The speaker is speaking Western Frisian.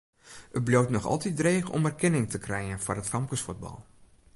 It bliuwt noch altyd dreech om erkenning te krijen foar it famkesfuotbal.